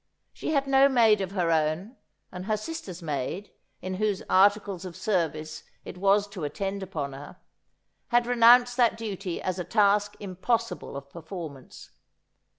She had no maid of her own, and her sister's maid, in whose articles of 88 Asphodel. service it was to attend upon her, had renounced that duty as a task impossible of performance.